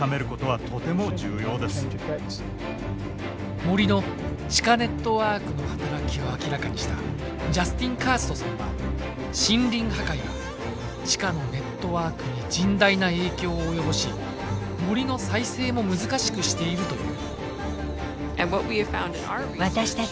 森の地下ネットワークの働きを明らかにしたジャスティン・カーストさんは森林破壊が地下のネットワークに甚大な影響を及ぼし森の再生も難しくしていると言う。